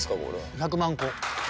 １００万個。